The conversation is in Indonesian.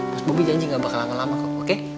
mas bobi janji gak bakalan lama lama kok oke